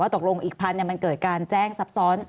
ตกลงอีกพันมันเกิดการแจ้งซับซ้อน